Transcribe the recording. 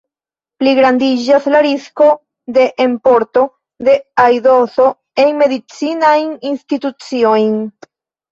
Pligrandiĝas la risko de enporto de aidoso en medicinajn instituciojn.